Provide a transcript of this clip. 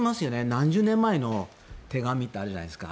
何十年前の手紙ってあるじゃないですか。